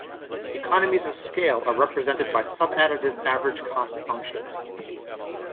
Economies of scale are represented by subadditive average cost functions.